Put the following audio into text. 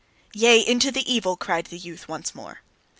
"Yea, into the evil!" cried the youth once more.